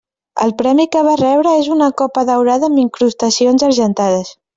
El premi que va rebre és una copa daurada amb incrustacions argentades.